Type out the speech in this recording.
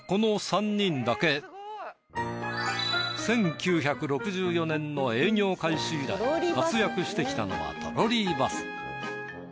１９６４年の営業開始以来活躍してきたのはトロリーバス。